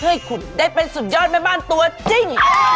เพื่อให้คุณได้คุณเป็นสุดยอดแม่บอร์ดตัวจริง